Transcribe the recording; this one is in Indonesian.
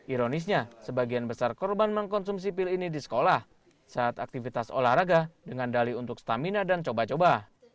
ironisnya sebagian besar korban mengkonsumsi pil ini di sekolah saat aktivitas olahraga dengan dali untuk stamina dan coba coba